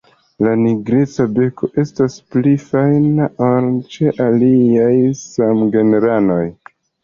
La nigreca beko estas pli fajna ol ĉe aliaj samgenranoj.